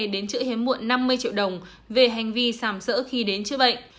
đến chữ hiếm muộn năm mươi triệu đồng về hành vi sàm sỡ khi đến chữa bệnh